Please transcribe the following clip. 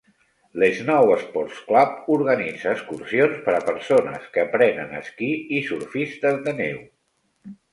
L'Snowsports Club organitza excursions per a persones que aprenen esquí i surfistes de neu.